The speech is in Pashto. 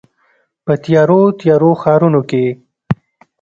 په تیارو، تیارو ښارونو کې